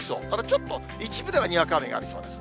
ちょっと、一部ではにわか雨がありそうです。